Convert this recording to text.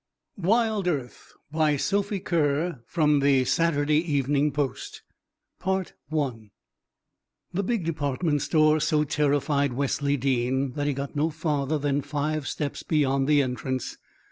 WILD EARTH By SOPHIE KERR From Saturday Evening Post The big department store so terrified Wesley Dean that he got no farther than five steps beyond the entrance.